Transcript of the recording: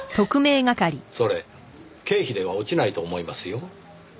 それ経費では落ちないと思いますよ。